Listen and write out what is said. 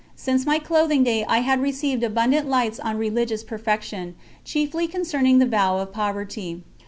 Since my clothing day I had received abundant lights on religious perfection, chiefly concerning the vow of poverty.